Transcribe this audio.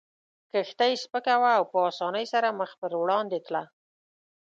کښتۍ سپکه وه او په اسانۍ سره مخ پر وړاندې تله.